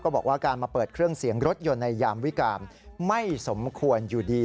บอกว่าการมาเปิดเครื่องเสียงรถยนต์ในยามวิการไม่สมควรอยู่ดี